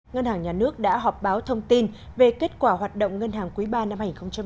ngân hàng nhà nước đã họp báo thông tin về kết quả hoạt động ngân hàng quý ba năm hai nghìn một mươi chín